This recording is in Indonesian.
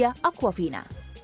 dan juga asia aquafina